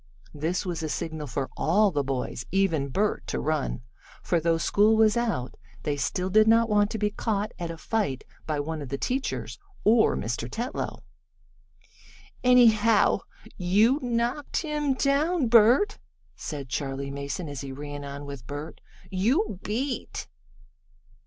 This was a signal for all the boys, even Bert, to run, for, though school was out, they still did not want to be caught at a fight by one of the teachers, or Mr. Tetlow. "Anyhow, you knocked him down, Bert," said Charley Mason, as he ran on with Bert. "You beat!"